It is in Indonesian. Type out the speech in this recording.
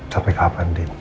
sampai kapan din